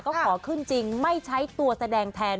ก็ขอขึ้นจริงไม่ใช้ตัวแสดงแทน